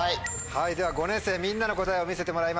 では５年生みんなの答えを見せてもらいましょう。